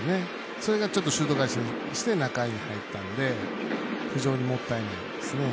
それがちょっとシュート回転して中に入ったんで非常にもったいないですね。